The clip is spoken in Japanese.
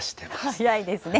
早いですね。